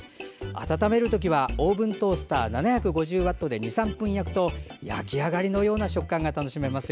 温める時はオーブントースター７５０ワットで２３分焼くと焼き上がりのような食感が楽しめます。